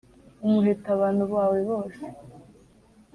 umuheto Abantu bawe bose